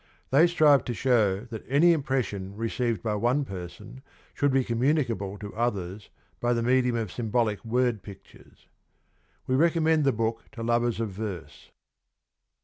They strive to show that any impression received by one person should be com municable to others by the medium of symbolic word pictures. We recommend the book to lovers of verse.